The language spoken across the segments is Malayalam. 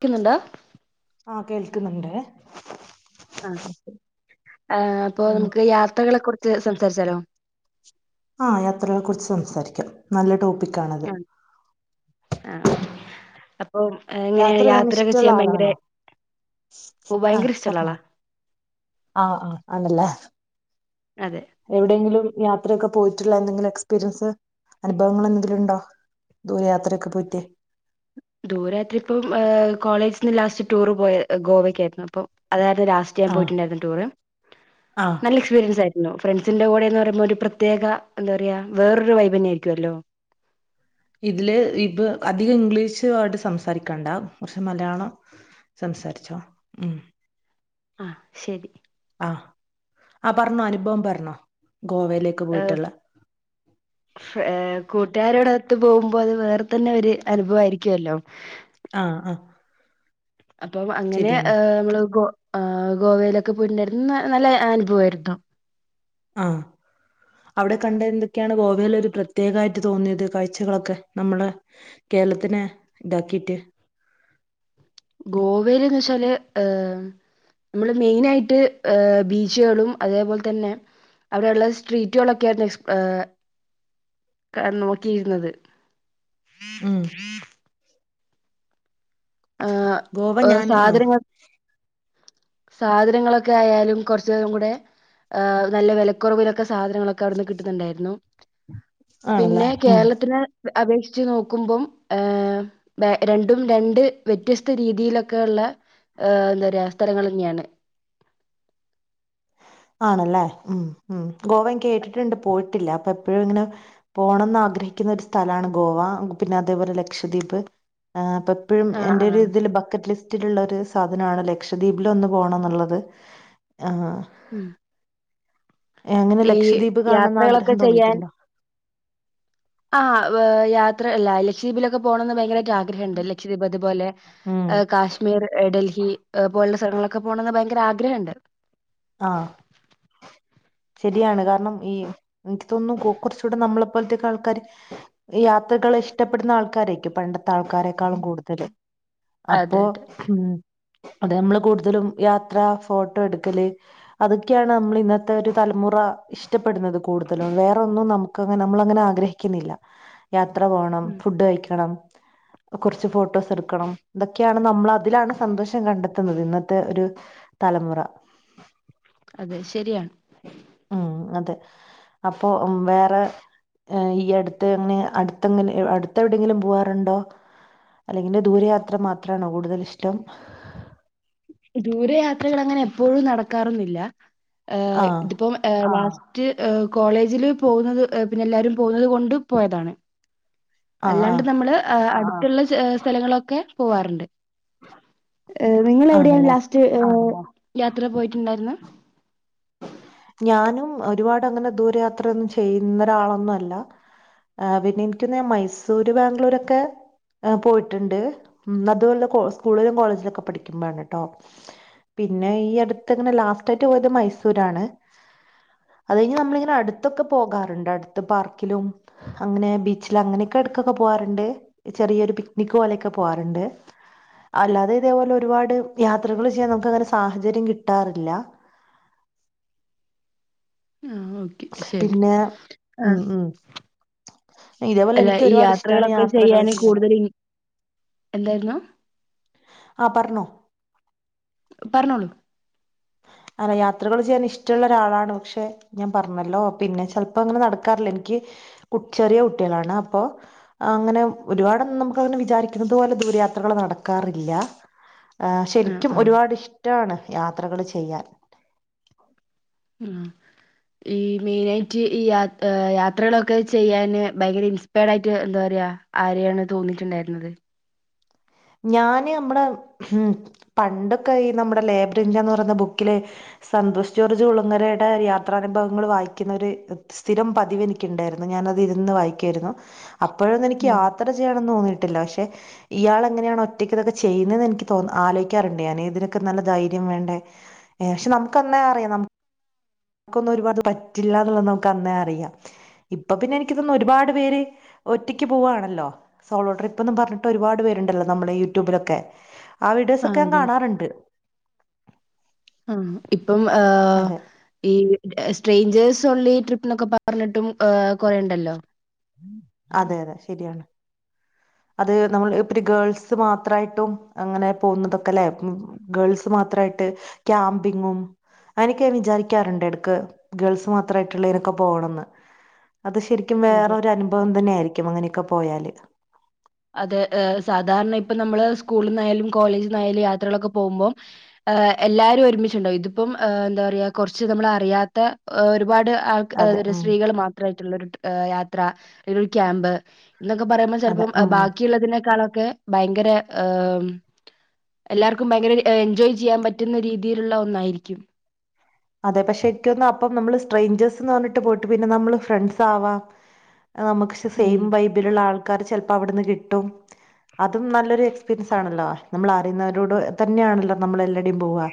ക്കുന്നുണ്ടോ ആഹ് കേൾക്കുന്നുണ്ട് ആഹ് അപ്പൊ ഉം നമുക്ക് യാത്രകളെ ക്കുറിച്ച് സംസാരിച്ചാലോ. ആഹ് യാത്രകളെ കുറിച്ച് സംസാരിക്കാം നല്ല ടോ പ്പിക്കാണത്. ആഹ് അപ്പോ എങ്ങനെയാണ് യാത്രയൊക്കെ ചെയ്യാൻ ഭയങ്കര ആളാണോ ഓഹ് ഭയങ്കരഷ്ട്ടള്ള ആളാ. ആഹ ആഹ് ആണല്ലേ അതെ എവിടെയെങ്കിലും യാത്രയൊക്കെ പോയിട്ടുള്ള എന്തെങ്കിലും എക്സ്പീരിയൻസ് അനുഭവങ്ങള് എന്തെങ്കിലും ഉണ്ടോ ദൂരയാത്രയൊക്കെ പോയിറ്റ് ദൂര യാത്ര ഇപ്പം ഏ കോളേജിന്ന് ലാസ്റ്റ് ടൂറ് പോയ ഗോവയ്ക്കായിരുന്നു അപ്പം അതാ ലാസ്റ്റ് ഞാൻ ആ പോയിട്ടുണ്ടായിരുന്ന ടൂറ് ആ നല്ല എക്സ്പീരിയൻസായിരു ന്നു ഫ്രണ്ട്സിന്റെ കൂടെന്ന് പറയുമ്പോ ഒരു പ്രത്യേക എന്താ പറയാ വേറൊരു വൈബന്നെ ആയിരിക്കുവല്ലോ. ഇതില് ഇപ്പ അധികം ഇംഗ്ലീഷുമായിട്ട് സംസാരിക്കണ്ട പക്ഷേ മലയാളം സംസാരിച്ചോ ഉം ആഹ് ശരി. ആ ആ പർഞ്ഞോ അനുഭവം പർഞ്ഞോ? ആഹ് ഏഹ് കൂട്ടുകാരോടൊ [unintelligible] പോകുമ്പോ അത് വേറെ തന്നെ ഒരു അനുഭവായിരുക്കല്ലോ. ആഹ് ആഹ് അപ്പോം അങ്ങനെ ഏഹ് അമ്മള് ഗോ ആഹ് ഗോവേലക്ക പോയിട്ടുണ്ടായിരുന്നു ന നല്ല അനുഭവായിരുന്നു. ആഹ് അവിടെ കണ്ട എന്തൊക്കെയാണ് ഗോവേല് ഒരു പ്രത്യേകായിട്ട് തോന്നിയത് കാഴ്ചകളൊക്കെ നമ്മളെ കി കേരളത്തിനെ ഇതാക്കീറ്റ് ഗോവേല് എന്നു വെച്ചാല് ഏഹ് അമ്മള് മെയിനായിട്ട് ഏഹ് ബീച്ചുകളും അതേ പോലെ തന്നെ അവിടെള്ള സ്ട്രീറ്റുകളൊക്കെ [unintelligible] ഏഹ് ക്ക നോക്കിയിരുന്നത്. ഉം ഏഹ് ഗോവ ഓ ഞാൻ ആ സാധനങ്ങ സാധനങ്ങളൊക്കെ ആയാലും കുറച്ചും കൂടെ ഏഹ് നല്ല വെലക്കുറവിലൊക്കെ സാധനങ്ങളൊക്കെ അവിടുന്ന് കിട്ടുന്നുണ്ടായിരുന്നു. ആണല്ലേ പിന്നെ ഉം കേരളത്തിന് വെ അപേക്ഷിച്ച് നോക്കുമ്പോം ഏഹ് ബേ രണ്ടും രണ്ട് വ്യത്യസ്ത രീതിയിലൊക്കെ ഉള്ള ഏഹ് എന്താ പറയാ സ്ഥലങ്ങള് തന്നെയാണ്. ആണല്ലേ ഉം ഉം ഗോവ ഞാൻ കേട്ടിട്ടുണ്ട് പോയിട്ടില്ല അപ്പ എപ്പഴും ഇങ്ങനെ പോണംന്ന് ആ ആഗ്രഹിക്കുന്ന ഒരു സ്ഥലാണ് ഗോവ പിന്നെ അതേ പോലെ ലക്ഷദ്വീപ് ഏഹ് ഇപ്പ എപ്പഴും ആഹ് എന്റെയൊരു ആഹ്. ഇതില് ബക്കറ്റ് ലിസ്റ്റിലുള്ള ഒരു സ് സാധനാണ് ലക്ഷദ്വീപില് ഒന്ന് പോണം എന്നുള്ളത് ആഹ് ഉം. ഏഹ് അങ്ങനെ ഈ ലക്ഷദ്വീപ് കാണണന്ന് യാത്രകളൊക്കെ ആഗ്രഹം ചെയ്യാൻ തോന്നിയിട്ടുണ്ടോ? ആഹ് വെ യാത്ര ല ലക്ഷദീപിലൊ [unintelligible] പോണംന്ന് ഭയങ്കരായിട്ട് ആഗ്രഹണ്ട് ലക്ഷദ്വീപ് അതുപോലെ ഉം ഏഹ് കാശ്മീർ ഡൽഹി ഏഹ് പോലുള്ള സല ങ്ങളക്കെ പോണെന്ന് ഭയങ്കര ആഗ്രഹണ്ട്. ശെരിയാണ് കാരണം ഈ ഇൻക്ക്തൊന്നു [unintelligible] നമ്മളെപ്പോലത്തേക്ക ആൾക്കാര് ഈ യാത്ര കള് ഇഷ്ടപ്പെടുന്ന ആൾക്കാരേക്കും പണ്ടത്തെ ആൾക്കാരെക്കാളും കൂട്തല്. അപ്പോ അതെ അതെ. ഉം അത്‌ നമ്മള് കൂടുതലും യാത്ര ഫോട്ടോ എടുക്കല് അതൊക്കെയാണ് നമ്മൾ ഇന്നത്തെ ഒര് തലമുറ ഇഷ്ടപ്പെട്ന്നത് കൂടുതലും വേറൊന്നും നമുക്ക്ങ്ങനെ നമ്മള് അങ്ങനെ ആഗ്രഹിക്ക്‌ന്നില്ല യാത്ര പോണം ഉം. ഫുഡ് കഴിക്കണം. കൊർച്ച് ഫോട്ടോസ് എട്ക്കണം. ഇതൊക്കെയാണ് നമ്മൾ അതിലാണ് സന്തോഷം കണ്ടെത്തുന്നത് ഇന്നത്തെ ഒരു തലമുറ അതെ ശെരിയാണ്. ഉം അതെ അപ്പൊ വേറെ ഏഹ് ഈ അട്ത്ത് എങ്ങനെ അട്ത്തെങ്ങനെ അട്ത്ത്എവിടെങ്കിലും പോവാറ്ണ്ടോ? അല്ലെങ്കില് ദൂരയാത്ര മാത്രാണോ കൂടുതൽ ഇഷ്ടം. ഇപ്പ ദൂരയാത്രകൾ അങ്ങനെ എപ്പോഴും നടക്കാറൊന്നില്ല. ആ ഏഹ് ഇതിപ്പൊ ഏഹ് വളച്ച് റ്റ് ഏഹ് കോളേജില് പോവ്ന്നത് ഏഹ് പിന്നെ എല്ലാരും പോവുന്നത് കൊണ്ട് പോയതാണ്. ആ ആ അല്ലാണ്ട് നമ്മള് ഏഹ് അട്ത്ത്ള്ള ചെ സ്ഥലങ്ങളൊക്കെ പോവാറ്ണ്ട്. ഏഹ് നിങ്ങൾ എവിടെയാണ് ആണല്ലേ ലാസ്റ്റ്ഏഹ് യാത്ര പോയിട്ട്ണ്ടായിര്ന്ന്? ഞാനും ഒരുപാട് അങ്ങനെ ദൂരയാത്രയൊന്നും ചെയ്യുന്ന ഒരാളൊന്നും അല്ല. ആഹ് പിന്നെ എനിക്കൊന്ന് മൈസൂര് ബാംഗ്ലൂരൊക്കെ ആ പോയിട്ടുണ്ട് ഉം അത് പോലെ സ്കൂളിലും കോളേജിലൊക്കെ പഠിക്കുമ്പോഴാണ് ട്ടോ പിന്നെ ഈ അടുത്ത്ങ്ങനെ ലാസ്റ്റ് ആയിട്ട് പോയത് മൈസൂരാണ്. അത് കഴിഞ്ഞ് നമ്മളിങ്ങനെ അടുത്തൊക്കെ പോകാറ്ണ്ട് അട്ത്ത് പാർക്കിലും അങ്ങനെ ബീച്ചില അങ്ങനെയൊക്കെ ഇടക്കൊക്കെ പോ വാറ്ണ്ട്. ചെറിയൊരു പിക്നിക് പോലെയൊക്കെ പോവാറ്ണ്ട്. അല്ലാതെ ഇതേപോലെ ഒരുപാട് യാത്രകൾ ചെയ്യാൻ നമുക്ക് അങ്ങനെ സാഹചര്യം കിട്ടാറില്ല. ആഹ് ഓക്കെ ശെരി പിന്നെ ഉം ആഹ് ഉം ഇതേപോലെ അല്ല എനിക്ക് ഈ ഒരുപാട് ഇഷ്ടമാണ് യാത്രകളൊക്കെ യാത്രകൾ ചെയ്യാന് ചെയ്യാൻ കൂട്തല് ഇ എന്തായ്രുന്നു ആഹ് പർണോ പറഞ്ഞോളൂ. അല്ല യാത്രകള് ചെയ്യാൻ ഇഷ്ടള്ളെ ഒരാളാണ് പക്ഷെ ഞാൻ പർഞ്ഞല്ലോ പിന്നെ ചേൽപ്പം അങ്ങനെ നടക്കാറില്ല എനിക്ക് ചെറിയ കുട്ട്യാളാണ് അപ്പോ അങ്ങനെ ഒരുപാട് ഒന്നും നമുക്ക് അങ്ങനെ വിചാരിക്കുന്നതോ ദൂരയാത്ര ത്ര നടക്കാറില്ല ആഹ് ശെരിക്കും ഒരുപാട് ഇഷ്ടാണ് യാത്രകൾ ചെയ്യാൻ ഉം ഈ മെയിന ആയിട്ട് ഈ യാത്രകളൊക്കെ ചെയ്യാാന് ഭയങ്കര ഇൻസ്പയർഡ ആയിട്ട് എന്താ പറയാ ആരെയാണ് തോന്നിട്ടുണ്ടായിരുന്നത് ഞാന് നമ്മടെ ഉ പണ്ട ക നമ്മുടെ ലൈബ്രറി ഇന്ത്യ എന്ന് പറയുന്ന ബുക്കില് സന്തോഷ് ജോർജ് കുളങ്ങരയുടെ യാത്രാനുഭവങ്ങൾ വായിക്കുന്ന ഒരു സ്ഥിരം പതിവ് എനിക്കു ഉണ്ടായിരുന്നു രുന്ന് വായിക്കരുന്നു അപ്പോഴ എനിക്ക് ഉം യാത്ര ചെയ്യ തോന്നിയിട്ടില്ല പക്ഷെ ഇയളെ ഇതൊക്കെ ഒറ്റക്ക്ചെയ ത്എനിക്ക ആലോയിക്കാറുണ്ട ഇതിനൊക്ക നല്ല ധൈര്യ വേണ്ടേ നമുക്ക്ന്നേ അറിയാം നമ നമുക്കൊന്നും ഒരുപാട് പറ്റില്ല എന്നുള്ളത് നമുക്ക് അന്നേ അറിയാം ഇപ്പൊ പിന്നെ എനക്ക്ിതൊന്ന ഒരുപാട് പേര് ഒറ്റയ്ക്ക് പോവുകവാണല്ലോ സോളോഡർ ഇപ്പൊന്നും പറഞ്ഞിട്ട് ഒരുപാട് പേരുണ്ടല്ലോ നമ്മുടെ യൂട്യൂബിലൊക്കെ ആ വീഡിയോസ് ഒക്കെ ആഹ് ഞാൻ അതെ കാണാറുണ്ട് ആ ഇപ്പം അതെ ഈ സ്ട്രേഞ്ചേസ് ള്ളി ട്രിപ്പിനൊക്കെ പറഞ്ഞിട്ടും കൊറേുണ്ടല്ലോ അതെ അതെ ശരിയാണ് അത് നമ്മൾ ഇ ഗേൾസ് മാത്രമായിട്ടും അങ്ങനെ പോകുന്നതൊക്കെ അല്ലേ ഗേൾസ് മാത്ര മാത്രട്ട് ക്യാമ്പിങ്ങും അനൊക്കെൻ വിചാരിക്കാറുണ്ട് എടക്ക് ഗേൾസ് മാത്രമായിട്ടുള്ള ഇനൊക്കെ പോകണംന്ന് അത് ശരിക്കും വേറൊ അതെ ഒരു അനുഭവം തന്നെ ആയിരിക്കും അങ്ങനെയൊക്കെ പോയാല് അതെ സാധാരണ ഇപ്പ നമ്മള് സ്കൂളിൽ നിന്നായാലും കോളേജിൽ നിന്നായാലും യാത്രകളൊക്കെ പോകുമ്പോം ഹ് എല്ലാരും ഒരുമിച്ചട്ടുണ്ടാവും ഇതിപ്പം എന്താ പറയാുക കുറച്ച് നമ്മള അറിയാത്ത ഒരുപാട് ആൾ അതെ ഉം സ്ത്രീകൾ മാത്രമായിട്ടുള്ള ഒരു യാത്ര അല്ലെ ഒരു ക്യാമ്പ് എന്നൊക്കെ പറയുമ്പോൾ അതെ ചിലപ്പോം ഉം ബാക്കിയുള്ളതിനേക്കാളൊക്കെ ഭയങ്കര എല്ലാർക്കും ഭയങ്കര എൻജോയ് ചെയ്യാൻ പറ്റുന്ന രീതിയിലുള്ള ഒന്നായിരിക്കും അതെ പക്ഷെ എിക്ക ഒന്ന് അപ്പം നമ്മള് സ്ട്രെഞ്ചേഴ്സ്ന്ന് പറഞ്ഞിട്ട് പോയിട്ട് പിന്നെ നമ്മള് ഫ്രണ്ട്സ് ആവാം നമുക്ക്ക്ഷെ സെയിം ഉം ബൈബിിലുള്ളള്ള ആൾക്കാാര് ചിലപ്പോ അവിടുന്ന് കിട്ടും അതും നല്ലൊരു എക്സ്പീരിയൻസ് ആണല്ലോ നമ്മൾ അറിയുന്നവരോട് തന്നെയാണല്ലോ നമ്മൾ എല്ലാടേയും പോവുക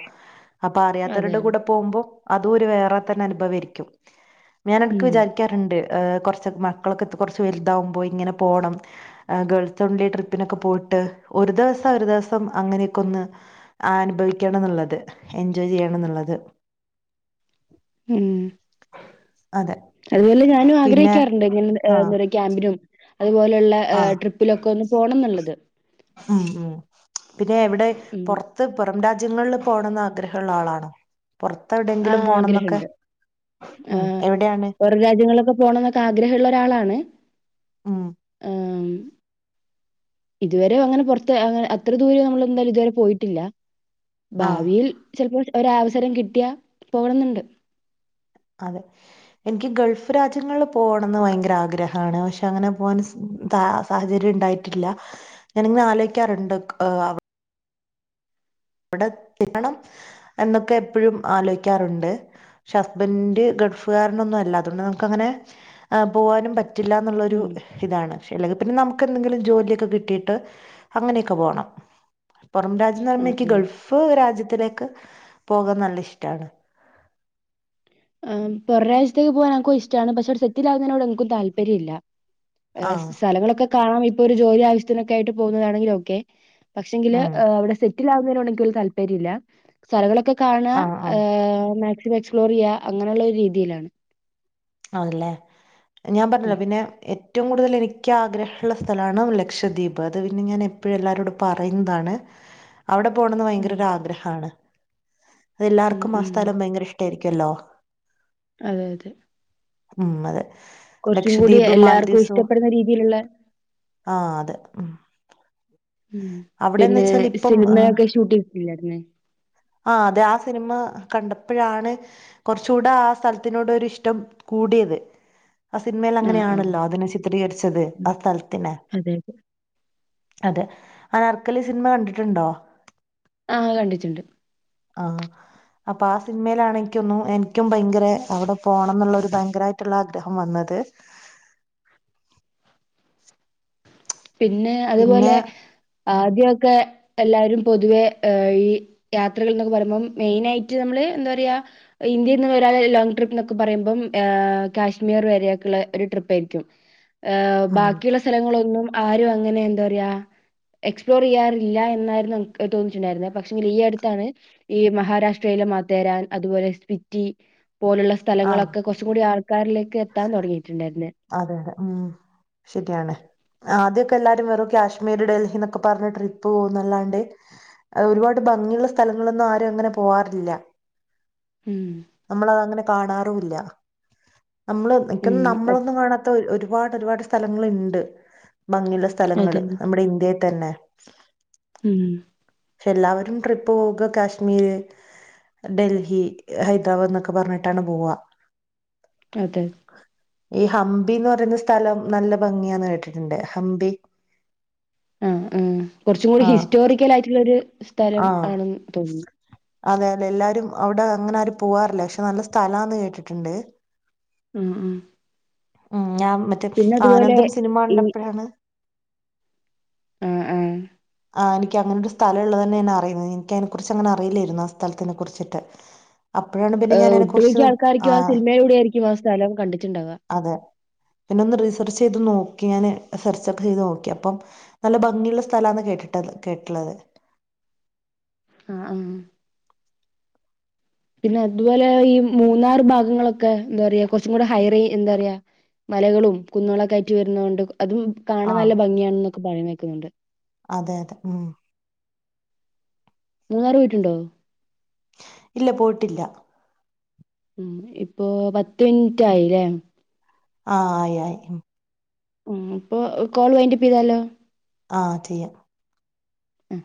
അപ്പൊ അതെ അറിയാത്തരുടെ അതെ കൂടെ പോകുമ്പോ അതും ഒരു വേറെ തന്നെ അനുഭവ ആരിക്കും ഞാാന എടക്ക് ഉം വിചാരിക്കാറുണ്ട് കൊറച്ച് മക്കളൊക്കെ കുറച്ച് വലുതാവുമ്പോൾ ഇങ്ങന പോണം ഗേൾസ് ഒൺലി ട്രിപ്പിനൊക്കെ പോയിട്ട് ഒരു ദിവസം ഒരു ദിവസം അങ്ങനെയൊക്കെ ഒന്ന് അനുഭവിക്കണം എന്നുള്ളത് എൻജോയ് ചെയ്യ നുള്ളത് ഉം അതെ അതുപോലെ ഞാനും പിന്നെ ആഗ്രഹിക്കാറുണ്ട് ആഹ് ഇങ്ങനെ ക്യാമ്പിനും അതുപോലെയുള്ള ആഹ് ട്രിപ്പിലൊക്കെ ഒന്ന് പോണം എന്നുള്ളത് ഉം ഉം പിന്നെ എവിടെ ഉം. പുറത്ത് പുറം രാജ രാജ്യങ്ങളിൽ പോണംന്ന് ആഗ്രഹമ ഉള്ള ആളാണോ പുൊറത്ത് എവിടെയങ്കിലും പോണം എന്നൊക്കെ ആ ഓരോ രാജ്യങ്ങളൊക്കെ പോണം എന്നൊക്കെ ആഗ്രഹമള്ള ഒരാളാണ് ഉം ആ ഇതുവരെ അങ്ങനെ പൊറത്ത് അ അത്ര ദൂരം നമ്മള് എന്തായാലും ഇതുവരെ പോയിട്ടില്ല. ആഹ് ഭാവിയിൽ ചേലപ്പോ ഒരാവസരം കിട്ടിയാ പോണംന്നണ്ട്. അതെ എനിക്ക് ഗൾഫ് രാജ്യങ്ങളിൽ പോകണംന്ന് ഭയങ്കര ആഗ്രഹമാണ് പക്ഷെ അങ്ങനെ പോക ത'സാഹചര്യം ഉണ്ടായിട്ടില്ല ഞാനീങ്ങനെ ആലോയിക്കാറുണ്ട് അവിടെ [unintelligible] എന്നൊക്കെ എപ്പോഴും ആലോചിക്കാറുണ്ട് പഷേ ഹസ്ബൻഡന്റെ ഗൾ ഗൾഫ്ക്കാരന്നൊന്നും അതുകൊണ്ട് നമുക്കങ്ങനെ പോവാനും പറ്റില്ല എന്നുള്ളൊരു ഉം. ഇതാണ്. ക്ഷേ അല്ലെങ്കിൽ പിന്നെ നമുക്ക് എന്തെങ്കിലും ജോലിയൊക്കെ കിട്ടിയിട്ട് അങ്ങനെയൊക്കെ പോണം. പൊറം രാജ്യം ന്ന് ആഹ് പറുമ്പോയിക്ക് ആഹ്. ഗൾഫ് രാജ്യത്തിലേക്ക് പോകാൻ നല്ല ഇഷ്ടാണ്. അ പൊറം രാജ്യത്തിക്ക് പോകാൻ ഇ ൻക്കു ഇഷ്ട്ടാണ് പഷേ ഒരു സെറ്റിലാ വുന്നതിന്നോട് ഇന്ക്കും താല്പര്യല്ലാ. ആ [unintelligible] സലാങ്ങളൊക്കെ കാണാം ഇപ്പൊ ഒരു ജോലി ആവശ്യത്തിനൊക്കെ ആയിട്ട് പോകുന്നതാണെങ്കിലും ഒക്കെ. പക്ഷെങ്കില് ഉം അവിടെ സെറ്റിൽ ആവുന്നതിനോട്‌ നിക്കൊരു താല്പര്യല്ല സ്ഥകളൊക്കെ കാണ ആ ആ മാക്സിമം എക്സ്പ്ലോർ ചെയ്യാ അങ്ങനെയുള്ള രു രീതിയിലാണ്. ആണ്ല്ലേ ഞാൻ പർഞ്ഞിലെ ഉം പിന്നെ എ റ്റവും കൂടുതൽ എനിക്ക് ആഗ്രഹള്ള സ്ഥലാണ് ലക്ഷദ്വീപ് അത് പിന്നെ ഞാൻ എപ്പഴും എല്ലാരോടും പറയുന്നതാണ്. ഔടെ പോണംന്ന് ഉം ഭയങ്കര ഒരാ ആഗ്രഹാണ് ഉം അതെല്ലാർക്കും ആഹ് ഉം സ്ഥലം ഭയങ്കര ഇഷ്ട്ടായിരിക്കോല്ലോ അതെ അതെ ഉം അതെ കോർച്ചും കൂടി ലക്ഷദ്വീപ് എല്ലാർക്കും മാൽദീവ്സോ ഇഷ്ടപ്പെടുന്ന രീതിയില്ള്ളെ ആഹ് അത് ഉം ഉം അവിടെന്ന് പിന്നെ വെച്ചാൽ ഇപ്പം സിനിമയൊക്കെ ഷൂട്ട് [unintelligible] ആഹ് അതെ ആഹ് സിനിമ ക പ്പഴാണ് കോർചൂടെ ആഹ് സ്ഥലത്തിനോട് ഒരു ഇഷ്ടം കൂടിയത് ആഹ് സിനിമയിൽ അങ്ങനെ ആഹ് ആഹ് ആണല്ലോ അതിനെ ചിത്രീകരിച്ചത് ആഹ് സ്ഥലത്തിനെ അതെ അതെ അതെ ആനാർക്കലി സിനിമ കണ്ടിട്ടുണ്ടോ? ആഹ് കണ്ടിട്ടുണ്ട് ആഹ് അപ്പ ആഹ് സിനിമയിലാണ് എൻക്കും എൻക്കും ഭയങ്കര അവിടെ പോണം ന്നുള്ളൊരു ഭയങ്കരായിട്ടുള്ള ആഗ്രഹം വന്നത് പിന്നെ പിന്നെ അതുപോലെ ആദ്യൊക്കെ എല്ലാരും പൊതുവെ എ ഈ യാത്രകൾ ന്നൊക്കെ പറയുമ്പം മെയിനായിട്ട് നമ്മള് എന്താ പറയാ ഇന്ത്യൽന്ന് ഒരാൾ ലോങ്ങ് ട്രിപ്പ് എന്നൊക്കെ പറയുമ്പോ കാശ്മീർ വരെയൊക്കെയുള്ള ഒരു ട്രിപ്പാരിക്കും. ഏഹ് ഉം ബാക്കിയുള്ള സ്ഥലങ്ങളൊന്നും ആരും അങ്ങനെ എന്താ പറയാ എക്സ്പ്ലോർയ്യാറില്ല എന്നായിരുന്നുക്ക് തോന്നിട്ടുണ്ടായിരുന്നത് പക്ഷെങ്കിൽ ഈ അടുത്താണ് ഈ മഹാരാഷ്ട്രയി [unintelligible] ൻ അതുപോലെ സ്വിറ്റി പോലുള്ള ആഹ് സ്ഥലങ്ങളൊക്കെ കുറച്ചു കൂടി ആൾക്കാരിലേക്ക് എത്താൻ തുടങ്ങിയിട്ട്ണ്ടായിരുന്നു അതെ അതെ ഉം ശരിയാണ് ആദ്യോ പ്പെല്ലാരും വെറും കാശ്മീർ ഡൽഹി എന്നൊക്കെ പറഞ്ഞ് ട്രിപ്പ് പോകുന്നല്ലാണ്ട് അആ ഒരുപാട് ഭംഗിയുള്ള സ്ഥലങ്ങളൊന്നും ആരും അങ്ങനെ പോവാറില്ല. ഉം. നമ്മളതങ്ങനെ കാണാറൂല്ല നമ്മള് [unintelligible] ഉം. അ നമ്മളൊന്നും കാണാത്ത ഒ ഒരുപാട് ഒരുപാട് സ്ഥലങ്ങള്ണ്ട്. ഭംഗിയുള്ള അതെ. സ്ഥലങ്ങള് നമ്മുടെ ഇന്ത്യൽ തന്നെ ഉം. എല്ലാവരും ട്രിപ്പ് പൊകുമ്പ കാശ്മീര് ഡൽഹി ഹൈദരാബാദ് എന്നൊക്കെ പറഞ്ഞിട്ടാണ് പോവാ അതെ ഈ ഹംമ്പീന്ന് പറയുന്ന സ്ഥലം നല്ല ഭംഗിയാണ് കേട്ടിട്ട്ണ്ട് ഹംമ്പി ഉം ഉം കുറച്ചൂടി ഹിസ്റ്റോറിക്കൽ ആയിട്ടുള്ളോരു സ്ഥലം ആണെന്ന് തോന്നി. അതേലെ എല്ലാരും അവിടെ അങ്ങനെ ആരും പോവാറില്ല പഷേ നല്ല സ്ഥലാന്ന് കേട്ടിട്ട്ണ്ട് ഉം ഉം ഉം ഞാൻ മറ്റേ ആനന്ദം സിനിമ ഈ കണ്ടപ്പോഴാണ് ആഹ് ആഹ് ആ എനിക്ക് അങ്ങനെ ഒരു സ്ഥല ഉള്ളത്തന്നെെയാ അറിയുന്നത് എനിക്കതിനെ കുറിച്ച് അങ്ങനെ അറിയില്ലായിരുന്നു ആ സ്ഥലത്തിനെ കുറിച്ചിട്ട് അപ്പോഴാണ് പിന്നെ ഏഹ് ഞാന് അതിനെ കുറിച്ച് ഒട്ടുമിക്ക ആ ആൾക്കാർക്കും സിനിമയിലൂടെ ആയിരിക്കും ആ സ്ഥലം കണ്ടിട്ടുണ്ടാവുക അതെ പിന്നെ ഒന്ന് റീസർച്ച് ചെയ്ത് നോ ക്കി ഞാന് സെർച്ചൊക്കെ ചെയ്ത് നോക്കി അപ്പം നല്ല ഭംഗിയുള്ള സ്ഥലാന്ന് കേ ട്ടത് കേട്ടിട്ടുള്ളത് ആഹ് ആഹ് പിന്നെ അതുപോലെ ഈ മൂന്നാറ് ഭാഗങ്ങളൊക്കെ എന്താ പറയാ കൊറച്ചും കൂടെ ഹൈറേ എന്താ പറയാ മലകളും കുന്നുകളായിട്ട് വരുന്നകൊണ്ട് അതും ആ കാണാൻ നല്ല ഭംഗിയാണെന്നൊക്കെ പറയുന്ന കേക്കുന്നുണ്ട് അതെ അതെ ഉം മൂന്നാറ് പോയിട്ടുണ്ടോ ഇല്ല പോയിട്ടില്ല ഉ ഇപ്പൊ പത്ത് മിനിറ്റ് ആയില്ലേ ആ ആയി ആയി ഉ ഇപ്പൊ കോൾ വൈറ്റപ്പ് ചൈതാലോ ആ ചെയ്യാം ആ